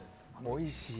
おいしい。